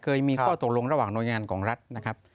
เคยมีข้อตกลงระหว่างหน่วยงานของรัฐนะครับ